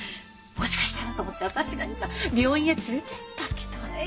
もしかしたらと思って私が今病院へ連れていったの。